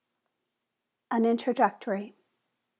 _ An Introductory.